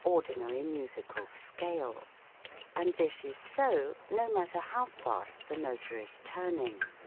ordinary musical scale ; and this is so, no matter how fast the motor is turning.